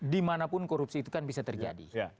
dimanapun korupsi itu kan bisa terjadi